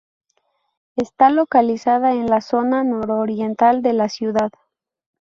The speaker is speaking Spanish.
Está localizada en la zona nororiental de la ciudad.